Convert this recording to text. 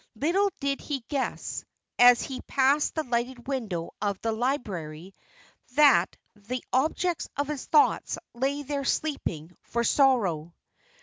Little did he guess, as he passed the lighted window of the library, that the objects of his thoughts lay there sleeping for sorrow.